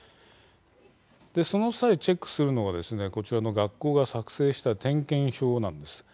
その際、チェックするのがこちらの学校が作成した点検表なんです。